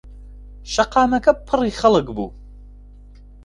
شەقاکەمە پڕی خەڵک بوو.